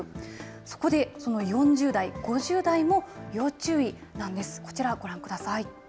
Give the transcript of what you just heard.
そこでその４０代、５０代も要注意なんです。